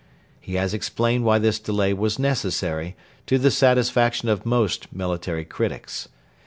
He has explained why this delay was necessary, to the satisfaction of most military critics.